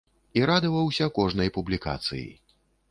І радаваўся кожнай публікацыі.